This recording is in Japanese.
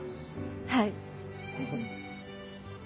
はい。